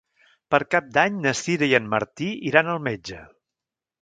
Per Cap d'Any na Sira i en Martí iran al metge.